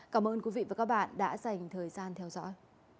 cảm ơn quý vị và các bạn đã dành thời gian theo dõi